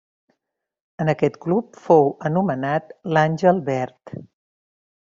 En aquest club fou anomenat l'àngel verd.